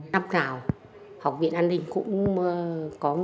năm nào học viện an ninh cũng có các đoàn